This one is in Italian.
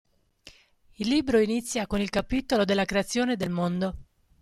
Il libro inizia con il capitolo della creazione del mondo.